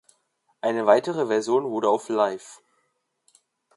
Eine weitere Version wurde auf "Live!